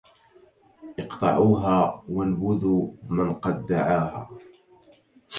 اقطعوها وانبذوا من قد دعاها